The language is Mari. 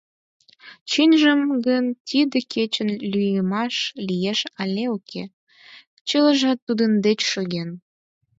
Чынжым гын тиде кечын лӱйымаш лиеш але уке — чылажат тудын деч шоген.